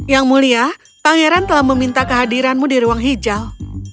yang mulia pangeran telah meminta kehadiranmu di ruang hijau